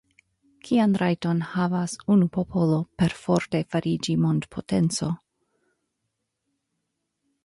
Kian rajton havas unu popolo perforte fariĝi mondpotenco?